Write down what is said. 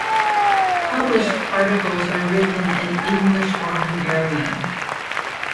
Published articles are written in English or Hungarian.